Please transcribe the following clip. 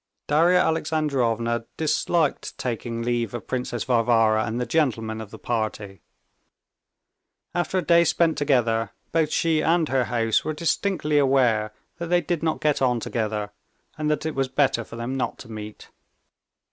Darya Alexandrovna disliked taking leave of Princess Varvara and the gentlemen of the party. After a day spent together, both she and her hosts were distinctly aware that they did not get on together, and that it was better for them not to meet.